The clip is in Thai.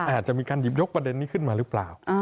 อาจจะมีการหยิบยกประเด็นนี้ขึ้นมาหรือเปล่า